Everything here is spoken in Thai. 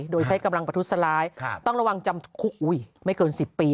โดยใช้กำลังประทุษร้ายต้องระวังจำคุกไม่เกิน๑๐ปี